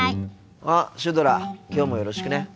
あっシュドラきょうもよろしくね。